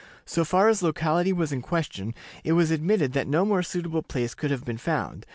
So far as locality was in question, it was admitted that no more suitable place could have been found.